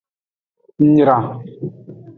Nyra.